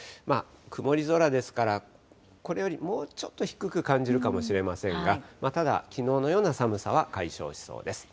曇り空ですから、これよりもうちょっと低く感じるかもしれませんが、ただ、きのうのような寒さは解消しそうです。